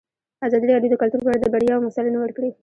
ازادي راډیو د کلتور په اړه د بریاوو مثالونه ورکړي.